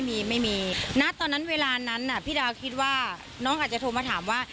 มีไม่มีณตอนนั้นเวลานั้นพี่ดาวคิดว่าน้องอาจจะโทรมาถามว่า